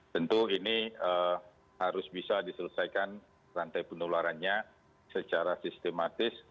tentu ini harus bisa diselesaikan rantai penularannya secara sistematis